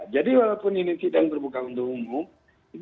jadi walaupun ini sidang berbuka untung umum